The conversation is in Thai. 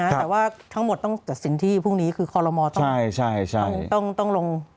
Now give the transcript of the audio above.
แต่ว่าทั้งหมดต้องตัดสินที่พรุ่งนี้คือคอลโลมอลต้องต้องลง